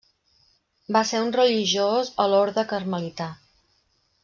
Va ser un religiós a l'orde carmelità.